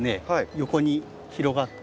横に広がって。